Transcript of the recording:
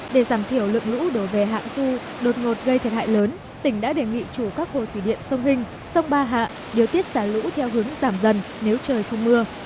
để giảm thiểu lượng lũ đổ về hạ du đột ngột gây thiệt hại lớn tỉnh đã đề nghị chủ các hồ thủy điện sông hình sông ba hạ điều tiết xả lũ theo hướng giảm dần nếu trời không mưa